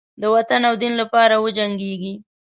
د وطن او دین لپاره وجنګیږي.